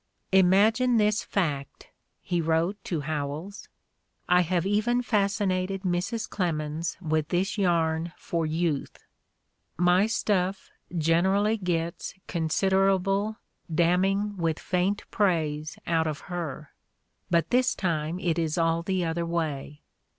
"Imagine this fact," he wrote to Howells; "I have even fascinated Mrs. Clemens with this yarn for youth. My stuff generally gets considerable damning with faint praise out of her, but this time it is all the other way.